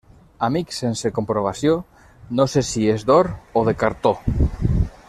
Amic sense comprovació, no sé si és d'or o de cartó.